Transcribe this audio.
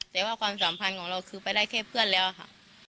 แต่ว่าความสัมพันธ์ของเราคือไปได้แค่เพื่อนแล้วค่ะ